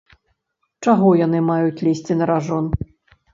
Чаго яны маюць лезці на ражон?